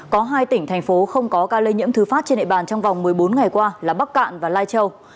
có hai tỉnh thành phố không có ca lây nhiễm thứ phát trên địa bàn trong vòng một mươi bốn ngày qua là bắc cạn và lai châu